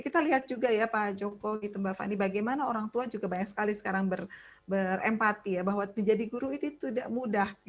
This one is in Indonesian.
kita lihat juga ya pak joko gitu mbak fani bagaimana orang tua juga banyak sekali sekarang berempati ya bahwa menjadi guru itu tidak mudah